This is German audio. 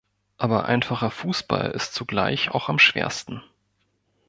Aber einfacher Fußball ist zugleich auch am schwersten.